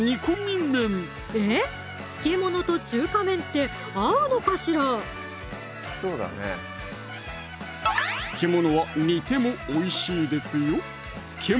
漬け物と中華麺って合うのかしら漬物は煮てもおいしいですよ